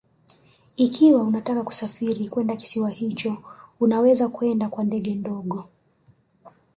Ikiwa unataka kusafiri kwenda kisiwa hicho unaweza kwenda kwa ndege ndogo